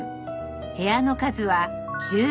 部屋の数は１０。